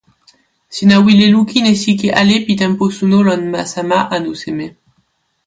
sina wile lukin e sike ale pi tenpo suno lon ma sama anu seme?